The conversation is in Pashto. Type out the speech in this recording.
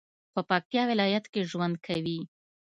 په پکتیا ولایت کې ژوند کوي